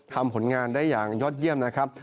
ผลงานได้อย่างยอดเยี่ยมนะครับ